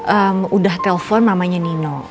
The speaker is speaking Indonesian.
ehm udah telepon mamanya nino